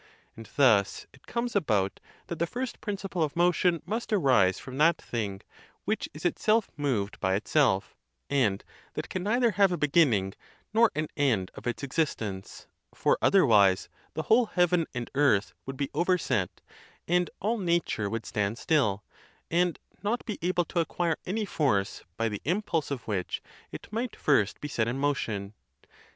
And thus it comes about that the first principle of motion must arise from that thing which is itself moved by itself; and that can neither have a beginning nor an end of its existence, for otherwise the whole heaven and earth would be overset, and all nature would stand still, and not be able to acquire any force by the impulse of which it might be first set in motion.